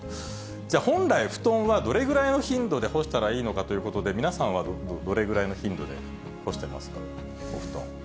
じゃあ、本来、布団はどれぐらいの頻度で干したらいいのかということで、皆さんはどれぐらいの頻度で干してますか、お布団。